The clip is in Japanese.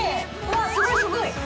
わぁすごいすごい。